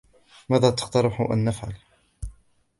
ماذا تقترح ان نفعل؟